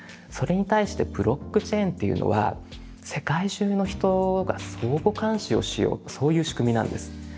それに対してブロックチェーンというのは世界中の人が相互監視をしようとそういう仕組みなんです。